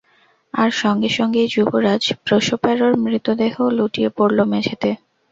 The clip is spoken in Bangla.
আর সঙ্গে সঙ্গেই যুবরাজ প্রসপ্যারোর মৃতদেহও লুটিয়ে পড়ল মেঝেতে।